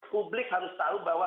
publik harus tahu bahwa